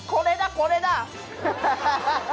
これだ！」